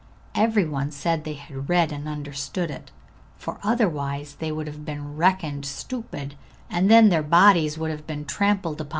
Everybody said they had read and understood it, for otherwise they would have been reckoned stupid, and then their bodies would have been trampled upon.